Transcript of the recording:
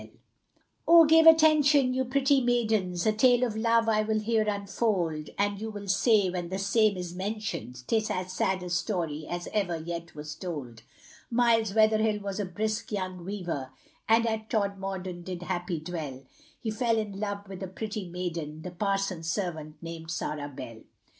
Oh give attention, you pretty maidens, A tale of love I will here unfold, And you will say, when the same is mentioned, 'Tis as sad a story as ever yet was told; Miles Weatherhill was a brisk young weaver, And at Todmorden did happy dwell, He fell in love with a pretty maiden, The parson's servant named Sarah Bell.